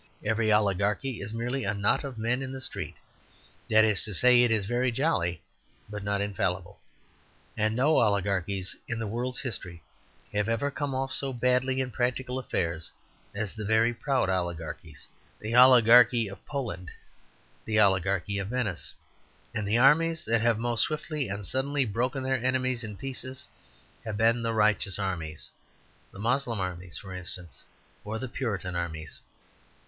Every oligarchy is merely a knot of men in the street that is to say, it is very jolly, but not infallible. And no oligarchies in the world's history have ever come off so badly in practical affairs as the very proud oligarchies the oligarchy of Poland, the oligarchy of Venice. And the armies that have most swiftly and suddenly broken their enemies in pieces have been the religious armies the Moslem Armies, for instance, or the Puritan Armies.